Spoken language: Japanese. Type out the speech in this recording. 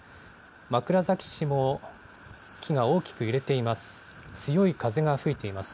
枕崎市も木が大きく揺れています。